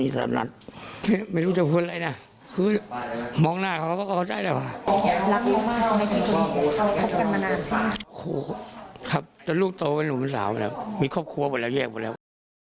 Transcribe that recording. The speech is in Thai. ครับแต่ลูกโตเป็นหนุ่มสาวแล้วมีครอบครัวไปแล้วแยกไปแล้ว